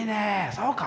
そうか！